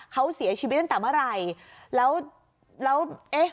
เขาเสียชีวิตตั้งแต่เมื่อไหร่แล้วแล้วเอ๊ะ